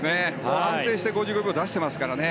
安定して５５秒出してますからね。